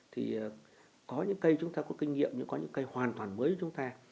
thì có những cây chúng ta có kinh nghiệm có những cây hoàn toàn mới của chúng ta